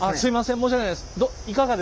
申し訳ないです。